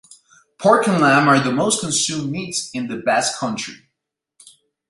Pork and lamb are the most consumed meats in the Basque Country.